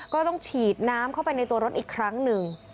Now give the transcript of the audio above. ก็ต้องฉีดน้ำเข้าไปในตัวรถอีกครั้งหนึ่ง